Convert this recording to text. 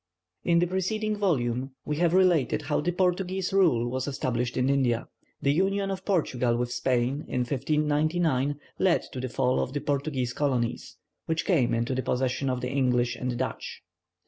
In a preceding volume we have related how the Portuguese rule was established in India. The union of Portugal with Spain, in 1599, led to the fall of the Portuguese colonies, which came into the possession of the English and Dutch.